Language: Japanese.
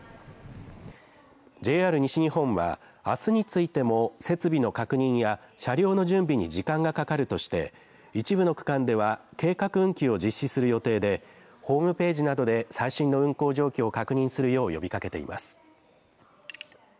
ＪＲ西日本は、あすについても設備の確認や車両の準備に時間がかかるとして一部の区間では計画運休を実施する予定でホームページなどで最新の運行状況を確認するよう呼びかけています。